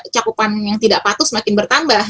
cakupan yang tidak patuh semakin bertambah